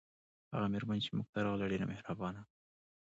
هغه میرمن چې موږ ته راغله ډیره مهربانه وه